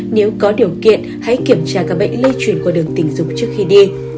nếu có điều kiện hãy kiểm tra các bệnh lây chuyển qua đường tình dục trước khi đi